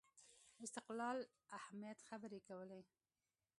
استقلال اهمیت خبرې کولې